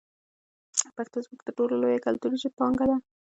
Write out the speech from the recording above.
پښتو زموږ تر ټولو لویه کلتوري پانګه ده.